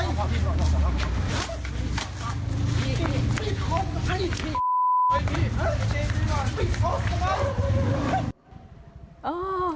ปิดโค้กทำไม